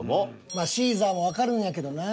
まあシーザーはわかるんやけどな。